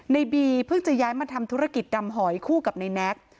ในบีเพิ่งจะย้ายมาทำธุรกิจดำหอยคู่กับในแน็ก